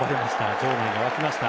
場内が沸きました。